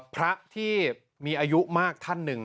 พระที่มีอายุมากท่านหนึ่ง